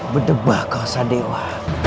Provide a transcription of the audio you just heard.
berdebah kau sadewa